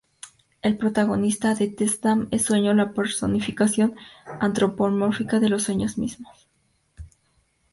El protagonista de The Sandman es Sueño, la personificación antropomórfica de los sueños mismos.